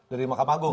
dari mahkamah agung